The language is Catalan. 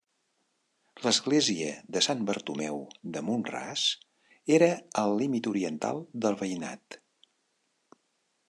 L'església de Sant Bartomeu de Mont-ras era al límit oriental del veïnat.